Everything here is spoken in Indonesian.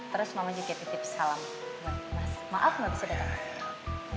terus mama juga tip tip salam buat mas maaf enggak bisa datang